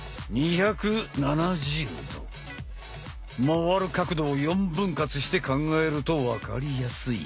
回る角度を４分割して考えると分かりやすい。